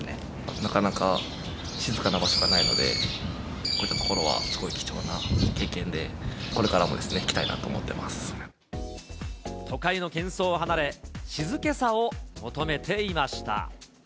なかなか静かな場所がないので、こういった所はすごい貴重な経験で、これからも来たいなと思って都会のけん騒を離れ、静けさを求めていました。